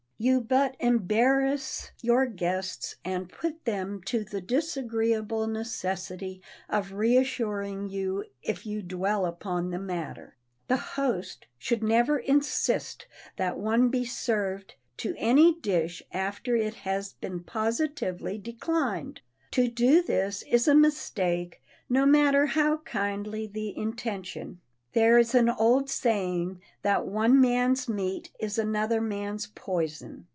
You but embarrass your guests and put them to the disagreeable necessity of reassuring you, if you dwell upon the matter. The host should never insist that one be served to any dish after it has been positively declined. To do this is a mistake no matter how kindly the intention. There is an old saying that one man's meat is another man's poison.